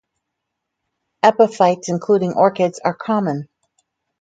Epiphytes including orchids are common.